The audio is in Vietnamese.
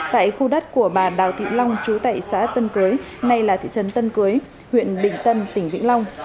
tại khu đất của bà đào thị long chú tệ xã tân cưới nay là thị trấn tân cưới huyện bình tân tỉnh vĩnh long